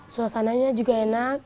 suasananya juga enak